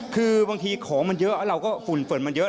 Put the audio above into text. คือบางทีของมันเยอะเราก็ฝุ่นเฝินมันเยอะ